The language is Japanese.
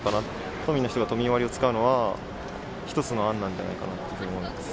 都民の人が都民割を使うのは、一つの案なんじゃないのかなというふうに思います。